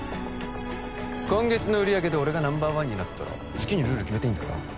今月の売上で俺がナンバーワンになったら好きにルール決めていいんだよな？